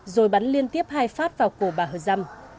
rồi bắn liên tiếp hai phát vào cổ bà hơ dăm